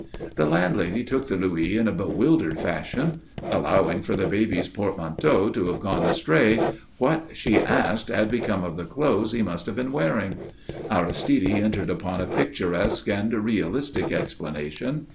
The landlady took the louis in a bewildered fashion. Allowing for the baby's portmanteau to have gone astray, what, she asked, had become of the clothes he must have been wearing? Aristide entered upon a picturesque and realistic explanation.